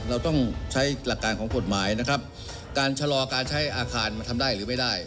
เราต้องใช้หลักการของกฎหมายนะครับการชะลอการใช้อาคารมันทำได้หรือไม่ได้